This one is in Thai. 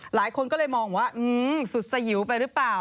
หลายคนก็เลยมองว่าสุดสยิวไปหรือเปล่า